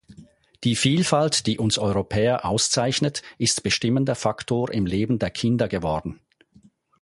Die Vielfalt, die uns Europäer auszeichnet, ist bestimmender Faktor im Leben der Kinder geworden.